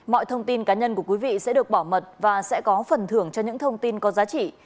mọi thông tin cá nhân của quý vị sẽ được bảo mật và sẽ có phần thưởng cho những thông tin có giá trị